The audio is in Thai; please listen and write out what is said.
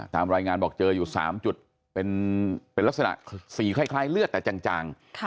ตามรายงานบอกเจออยู่๓จุดเป็นลักษณะสีคล้ายเลือดแต่จาง